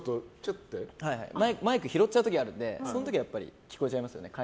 マイク拾っちゃう時があるのでその時は聞こえちゃいますよね。